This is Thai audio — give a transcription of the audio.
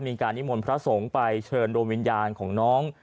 นิมนต์พระสงฆ์ไปเชิญดวงวิญญาณของน้อง